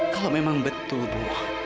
kalau memang betul bu